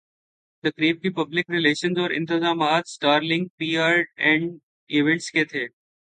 تقریب کی پبلک ریلشنزاورانتظامات سٹار لنک پی آر اینڈ ایونٹس کے تھے